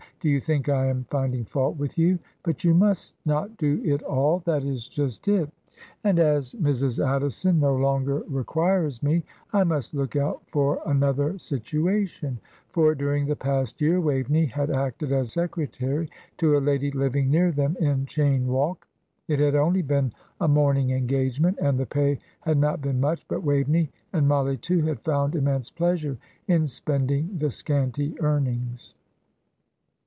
Do you think I am finding fault with you? But you must not do it all, that is just it; and as Mrs. Addison no longer requires me, I must look out for another situation" for during the past year Waveney had acted as secretary to a lady living near them in Cheyne Walk. It had only been a morning engagement, and the pay had not been much, but Waveney, and Mollie too, had found immense pleasure in spending the scanty earnings.